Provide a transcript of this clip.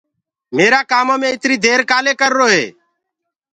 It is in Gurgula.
ميرآ ڪآمو مي اِتري دير ڪآلي ڪررو هي۔